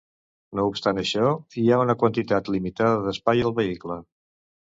No obstant això, hi ha una quantitat limitada d'espai al vehicle.